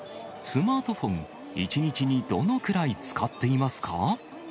スマートフォン、１日にどのくらい使っていますか？